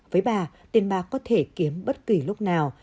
với bà tiền bạc có thể kiếm bất kỳ lúc nào